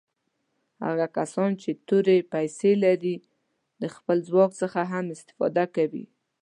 هغه کسان چې تورې پیسي لري د خپل ځواک څخه هم استفاده کوي.